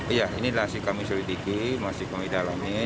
iya ini masih kami sulit dikit masih kami dalami